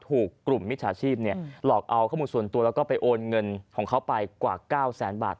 ถูกกลุ่มมิจฉาชีพหลอกเอาข้อมูลส่วนตัวแล้วก็ไปโอนเงินของเขาไปกว่า๙แสนบาท